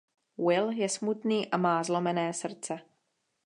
Will je smutný a má zlomené srdce.